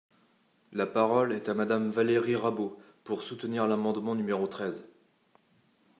La parole est à Madame Valérie Rabault, pour soutenir l’amendement numéro treize.